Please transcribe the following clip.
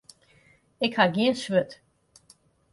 Ik ha gjin swurd.